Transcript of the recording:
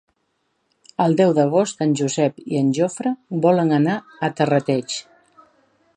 El deu d'agost en Josep i en Jofre volen anar a Terrateig.